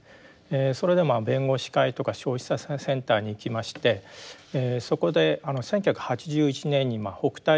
それで弁護士会とか消費者センターに行きましてそこで１９８１年に北炭夕張でですね